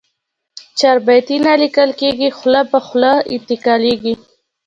چاربیتې نه لیکل کېږي، خوله په خوله انتقالېږي.